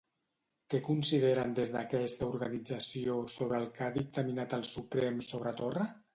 Què consideren des d'aquesta organització sobre el que ha dictaminat el Suprem sobre Torra?